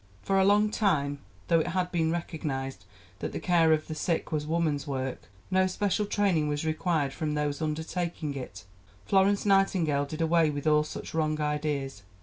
For a long time, though it had been recognized that the care of the sick was woman's work, no special training was required from those undertaking it. Florence Nightingale did away with all such wrong ideas.